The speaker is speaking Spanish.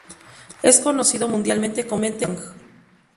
Es conocido mundialmente como Bang!